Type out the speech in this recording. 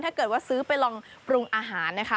ถ้าเกิดว่าซื้อไปลองปรุงอาหารนะคะ